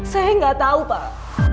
saya gak tau pak